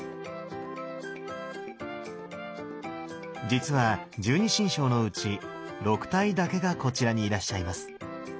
実は十二神将のうち６体だけがこちらにいらっしゃいます。